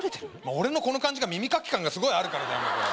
俺のこの感じが耳かき感がすごいあるからだよ